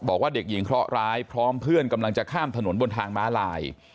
บอกว่าเด็กหญิงเคราะหร้ายพร้อมเพื่อนกำลังจะข้ามถนนบนทางม้าลาย